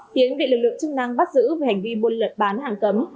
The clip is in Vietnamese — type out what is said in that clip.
hiến bị lực lượng chức năng bắt giữ về hành vi buôn lật bán hàng cấm